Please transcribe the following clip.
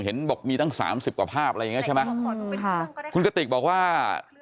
เห็นบอกมีตั้งสามสิบกว่าภาพอะไรอย่างเงี้ใช่ไหมค่ะคุณกติกบอกว่า